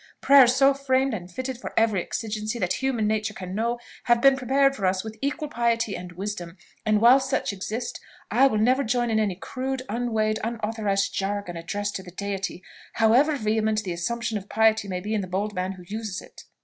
Prayers so framed, and fitted for every exigency that human nature can know, have been prepared for us with equal piety and wisdom; and while such exist, I will never join in any crude, unweighed, unauthorised jargon addressed to the Deity, however vehement the assumption of piety may be in the bold man who uses it."